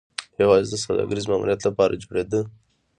یوازې د سوداګریز ماموریت لپاره جوړېده